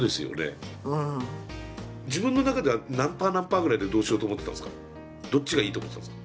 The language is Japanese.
自分の中では何パー何パーぐらいでどうしようと思ってたんですか？